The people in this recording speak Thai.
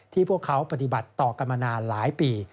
พวกเขาปฏิบัติต่อกันมานานหลายปี